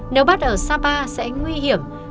nếu bắt ở sapa sẽ nguy hiểm